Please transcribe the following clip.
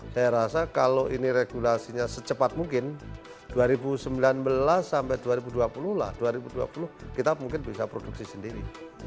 saya rasa kalau ini regulasinya secepat mungkin dua ribu sembilan belas sampai dua ribu dua puluh lah dua ribu dua puluh kita mungkin bisa produksi sendiri